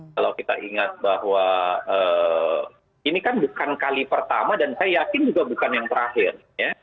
kalau kita ingat bahwa ini kan bukan kali pertama dan saya yakin juga bukan yang terakhir